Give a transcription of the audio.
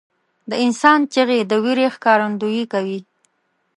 • د انسان چیغې د وېرې ښکارندویي کوي.